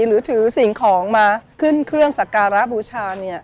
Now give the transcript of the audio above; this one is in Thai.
หรือถือสิ่งของมาขึ้นเครื่องสักการะบูชา